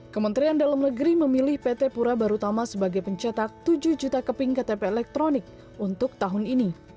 kementerian dalam negeri memilih pt pura barutama sebagai pencetak tujuh juta keping ktp elektronik untuk tahun ini